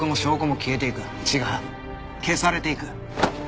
消されていく。